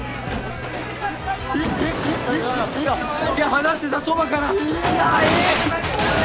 話してたそばからええ！